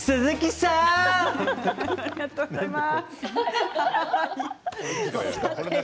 ありがとうございます。